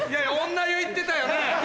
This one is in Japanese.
女湯行ってたよね？